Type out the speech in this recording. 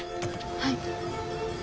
はい。